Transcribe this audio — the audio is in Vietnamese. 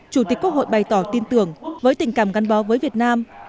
chủ tịch quốc hội bày tỏ tin tưởng với tình cảm gắn bó với việt nam